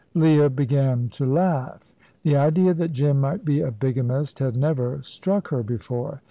Leah began to laugh. The idea that Jim might be a bigamist had never struck her before.